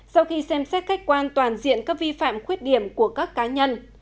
sau khi xem xét khách quan toàn diện các vi phạm khuyết điểm của các cá nhân